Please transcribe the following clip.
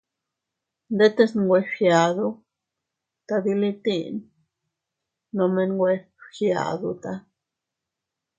Ndetes nwe fgiadu, tadilitin nome nwe fgiaduta.